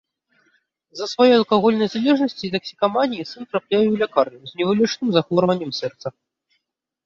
З-за сваёй алкагольнай залежнасці і таксікаманіі сын трапляе ў лякарню з невылечным захворваннем сэрца.